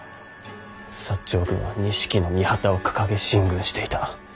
長軍は錦の御旗を掲げ進軍していた。